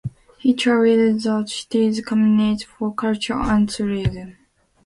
He chaired the city's committee for culture and tourism.